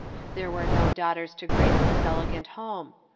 There were no daui^liters to grace this elegant home.